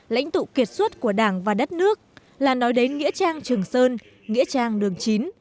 lãnh tụ kiệt xuất của đảng và đất nước là nói đến nghĩa trang trường sơn nghĩa trang đường chín